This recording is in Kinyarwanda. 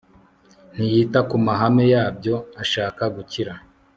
ntiyita ku mahame yabyo Ashaka gukira